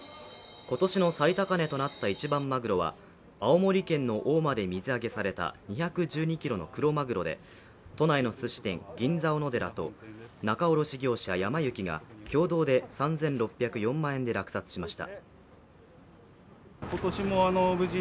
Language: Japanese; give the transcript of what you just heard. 今年の最高値となった一番まぐろは青森県の大間で水揚げされた２１２ｋｇのクロマグロで都内のすし店、銀座おのでらと仲卸業者、やま幸が共同で３６０４万円で落札しました。